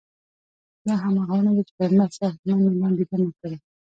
دا همغه ونه ده چې پیغمبر صلی الله علیه وسلم لاندې دمه کړې.